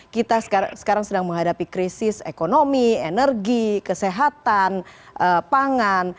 kita sekarang sedang menghadapi krisis ekonomi energi kesehatan pangan